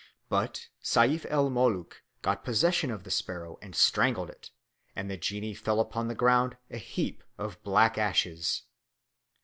But Seyf el Mulook got possession of the sparrow and strangled it, and the jinnee fell upon the ground a heap of black ashes.